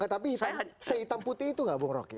tapi saya hitam putih itu enggak bukroki